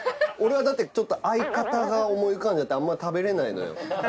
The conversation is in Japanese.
俺はだってちょっと相方が思い浮かんじゃってあんまり食べられないのよ。